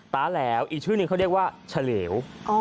ตาแหลวอีกชื่อนึงเขาเรียกว่าเฉลว